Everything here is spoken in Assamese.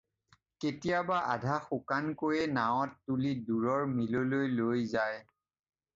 কেতিয়াবা আধা শুকানকৈয়ে নাৱত তুলি দূৰৰ মিললৈ লৈ যায়।